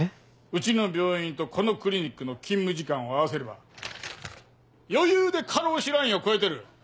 うちの病院とこのクリニックの勤務時間を合わせれば余裕で過労死ラインを越えてる。